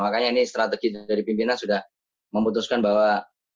maka strategi dari pimpinan sudah memutuskan bahwa